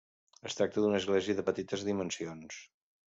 Es tracta d'una església de petites dimensions.